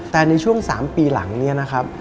แต่ในช่วง๓ปีหลังเนี่ยนะครับ